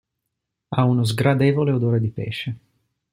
Ha uno sgradevole odore di pesce.